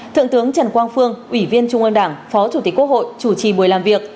thượng tướng trần quang phương ủy viên trung ương đảng phó chủ tịch quốc hội